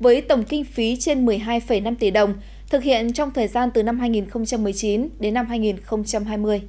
với tổng kinh phí trên một mươi hai năm tỷ đồng thực hiện trong thời gian từ năm hai nghìn một mươi chín đến năm hai nghìn hai mươi